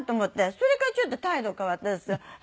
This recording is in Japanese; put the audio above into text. それからちょっと態度変わったんです。